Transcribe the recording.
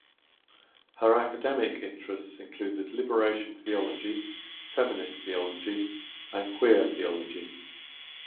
Her academic interests included liberation theology, feminist theology and queer theology.